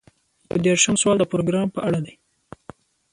یو دېرشم سوال د پروګرام په اړه دی.